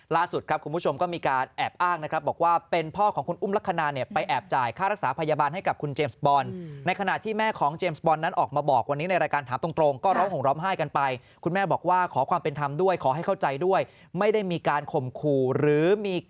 ล่าสุดครับคุณผู้ชมก็มีการแอบอ้างนะครับบอกว่าเป็นพ่อของคุณอุ้มลักษณะเนี่ยไปแอบจ่ายค่ารักษาพยาบาลให้กับคุณเจมส์บอลในขณะที่แม่ของเจมส์บอลนั้นออกมาบอกวันนี้ในรายการถามตรงก็ร้องห่มร้องไห้กันไปคุณแม่บอกว่าขอความเป็นธรรมด้วยขอให้เข้าใจด้วยไม่ได้มีการข่มขู่หรือมีก